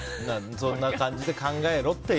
そんな感じで考えろと。